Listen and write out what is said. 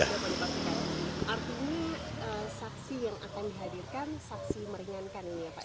artinya saksi yang akan dihadirkan saksi meringankan ini ya pak